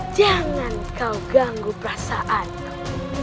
jangan kau ganggu perasaanmu